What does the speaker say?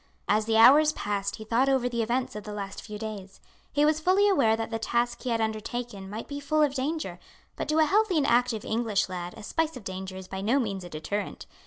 As the hours passed he thought over the events of the last few days. He was fully aware that the task he had undertaken might be full of danger; but to a healthy and active English lad a spice of danger is by no means a deterrent.